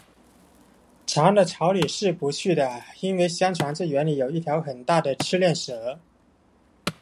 长的草里是不去的，因为相传这园里有一条很大的赤练蛇